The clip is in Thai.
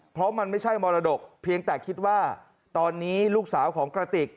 เพราะมันไม่ใช่มรดกเพียงแต่คิดว่าตอนนี้ลูกสาวของกระติก